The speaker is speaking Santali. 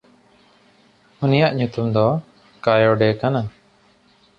ᱩᱱᱤᱭᱟᱜ ᱧᱩᱛᱩᱢ ᱫᱚ ᱠᱟᱭᱚᱰᱮ ᱠᱟᱱᱟ᱾